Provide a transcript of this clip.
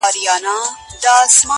لا کومول ته په غوسه په خروښېدو سو،